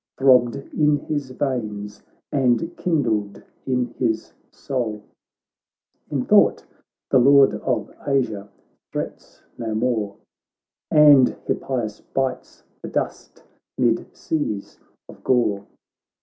Throbbed in his veins, and kindled in his soul i8 THE BATTLE OF MARATHON In thought, the Lord of Asia threats no more, And Hippias bites the dust mid seas of gore.